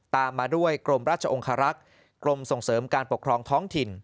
ตามมาด้วยกรมราชองคารักษ์กรมส่งเสริมการปกครองท้องถิ่น